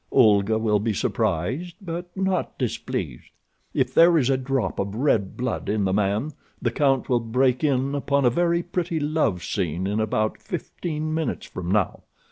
Olga will be surprised, but not displeased. "If there is a drop of red blood in the man the count will break in upon a very pretty love scene in about fifteen minutes from now.